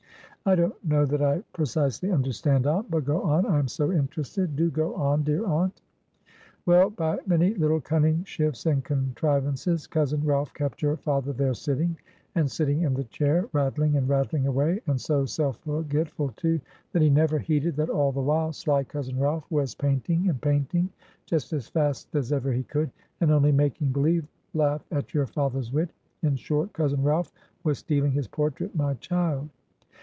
"I don't know that I precisely understand, aunt; but go on, I am so interested; do go on, dear aunt." "Well, by many little cunning shifts and contrivances, cousin Ralph kept your father there sitting, and sitting in the chair, rattling and rattling away, and so self forgetful too, that he never heeded that all the while sly cousin Ralph was painting and painting just as fast as ever he could; and only making believe laugh at your father's wit; in short, cousin Ralph was stealing his portrait, my child."